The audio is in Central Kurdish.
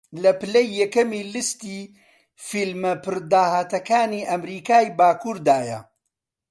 لە پلەی یەکەمی لیستی فیلمە پڕداهاتەکانی ئەمریکای باکووردایە